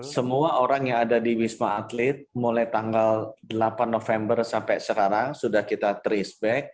semua orang yang ada di wisma atlet mulai tanggal delapan november sampai sekarang sudah kita trace back